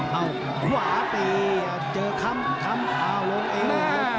หว่าตีเจอคำคำพาลงเอว